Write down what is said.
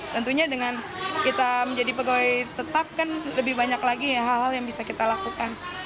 tentunya dengan kita menjadi pegawai tetap kan lebih banyak lagi hal hal yang bisa kita lakukan